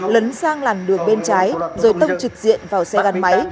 lấn sang làn đường bên trái rồi tông trực diện vào xe gắn máy